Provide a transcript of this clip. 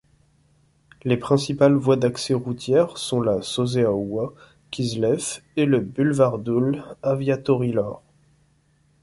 Les principales voies d'accès routières sont la Șoseaua Kiseleff et le Bulevardul Aviatorilor.